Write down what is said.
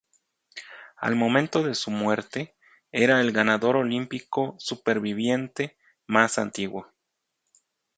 Al momento de su muerte, era el ganador olímpico superviviente más antiguo.